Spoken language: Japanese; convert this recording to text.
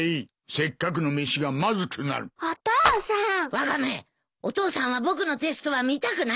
ワカメお父さんは僕のテストは見たくないんだ。